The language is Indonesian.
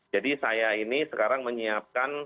jadi saya ini sekarang menyiapkan